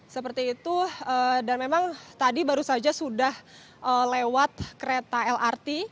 seperti itu dan memang tadi baru saja sudah lewat kereta lrt